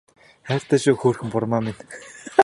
Хайртай шүү хөөрхөн бурмаа минь